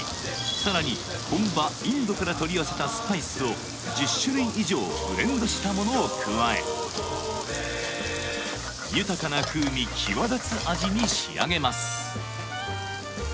さらに本場インドから取り寄せたスパイスを１０種類以上ブレンドしたものを加え豊かな風味際立つ味に仕上げます